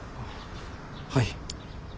はい。